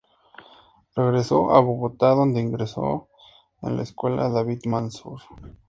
Regresó a Bogotá, donde ingresó en la escuela "David Manzur".